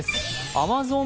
アマゾン